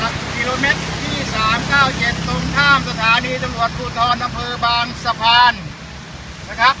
กี่โลเมตรที่สามเก้าเจ็ดตรงข้ามสถานีจรวดภูทอลดามเฟิย์บางสะพานนะครับ